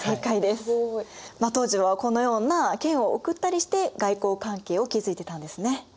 すごい。当時はこのような剣を贈ったりして外交関係を築いてたんですね。